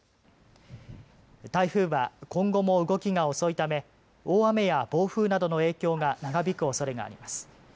台風は今後も動きが遅いため大雨や暴風などの影響が長引くおそれがあります。